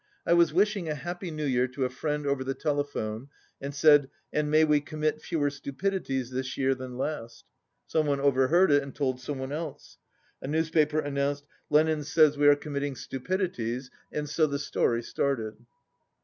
"I was wishing a happy New Year to a friend over the telephone, and said 'And may we commit fewer stupidities this year than last !' Some one overheard it and told some one else. A newspaper announced 'Lenin says we 121 are committing stupidities' and so the story started."